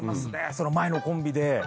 その前のコンビで。